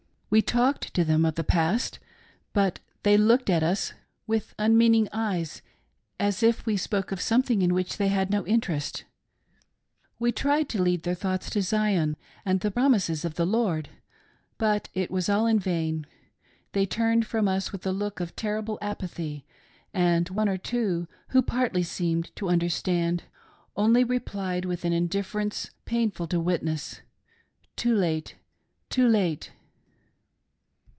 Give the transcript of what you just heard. We talked to them of the past, but they looked at us with unmean "TOO LATE — TOO LATE!" 235 ing eyes, as if we spoke of something in which they had no in terest ; we tried to lead their thoughts to Zion, and the pro mises of the Lord ; but it was all in vain. They turned from us with a look of terrible apathy ; and one or two, who partly seemed to understand, only replied with an indifference pain ful to witness —" too late, too late